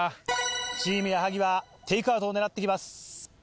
チーム矢作はテイクアウトを狙ってきます。